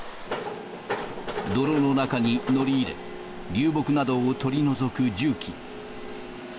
泥の中に乗り入れ、流木などを取り除く重機。